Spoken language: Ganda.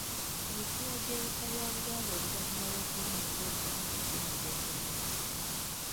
Emipiira gy'ebika bya Baganda oluvannyuma lw’okuyimirira ebbanga eddene gyaddamu ddi?